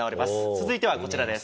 続いてはこちらです。